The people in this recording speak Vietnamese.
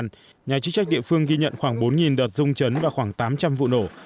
nhà chức trách địa phương ghi nhận khoảng bốn đợt dung chấn và khoảng tám trăm linh vụ nổ